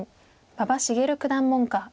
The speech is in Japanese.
馬場滋九段門下。